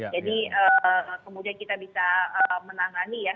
jadi kemudian kita bisa menangani ya